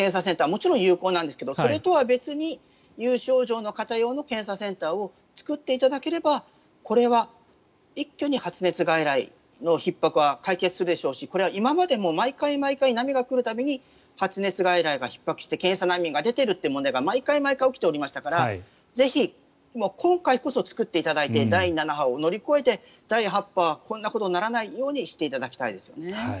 もちろん有効なんですがそれとは別に有症状の方用の検査センターを作っていただければこれは一挙に発熱外来のひっ迫は解決するでしょうしこれは今までも毎回毎回波が来る度に発熱外来がひっ迫して検査難民が出ているという問題が毎回毎回起きていましたからぜひ、今回こそ作っていただいて第７波を乗り越えて、第８波はこんなことにならないようにしていただきたいですよね。